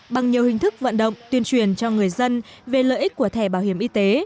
bằng nhiều hình thức vận động tuyên truyền cho người dân về lợi ích của thẻ bảo hiểm y tế